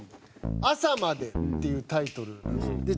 「朝まで」っていうタイトルなんですよ。